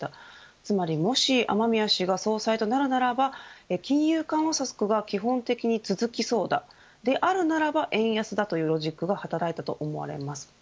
つまり、もし雨宮氏が総裁となるならば金融緩和策が基本的に続きそうだであるならば円安だというロジックが働いたと思われます。